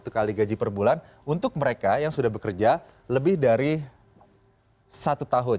satu kali gaji per bulan untuk mereka yang sudah bekerja lebih dari satu tahun